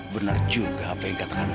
benar juga apa yang katakan nafa